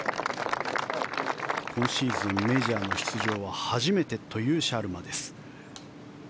今シーズンメジャーの出場は初めてというシャルマです。